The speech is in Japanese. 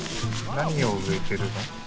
何を植えてるの？